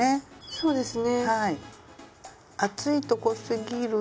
そうですね。